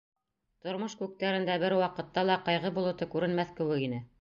Тормош күктәрендә бер ваҡытта ла ҡайғы болото күренмәҫ кеүек ине.